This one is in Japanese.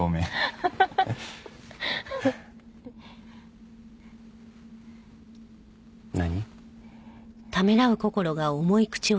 ハハハッ。何？